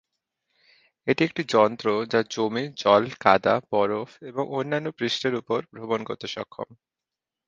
এটি একটি যন্ত্র যা জমি, জল, কাদা, বরফ, এবং অন্যান্য পৃষ্ঠের উপর ভ্রমণ করতে সক্ষম।